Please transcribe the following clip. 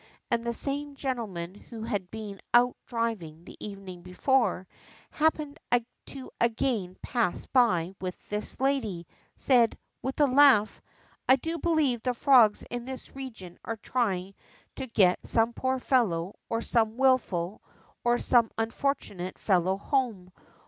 And the same gentleman Avho had been out driving the evening before, happening to again pass by with his lady, said, with a laugh : I do believe the frogs in this region are trying to get some poor fellow, or some wilful, or some unfortunate fellow home.